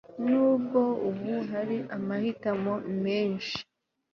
nubwo ubu hari amahitamo menshi